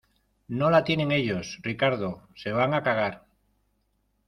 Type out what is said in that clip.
no la tienen ellos. Ricardo, se van a cagar .